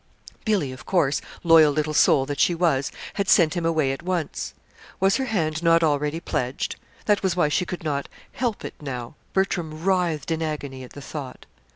Billy, of course, loyal little soul that she was, had sent him away at once. Was her hand not already pledged? That was why she could not "help it now." (Bertram writhed in agony at the thought.)